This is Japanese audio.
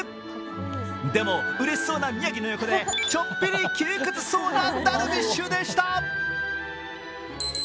でも、うれしそうな宮城の横でちょっぴり窮屈そうなダルビッシュでした。